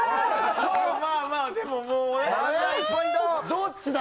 どっちだ？